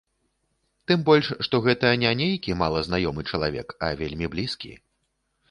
Тым больш, што гэта не нейкі малазнаёмы чалавек, а вельмі блізкі.